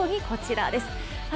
こちらです。